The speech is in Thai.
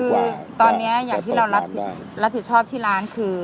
คือตอนนี้อย่างที่เรารับผิดชอบที่ร้านคือ